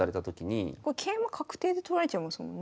桂馬確定で取られちゃいますもんね。